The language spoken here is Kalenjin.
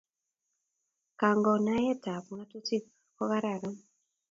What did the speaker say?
Kangonayet tab ng'atutik kot kararan